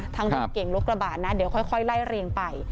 รถเก่งรถกระบะนะเดี๋ยวค่อยไล่เรียงไป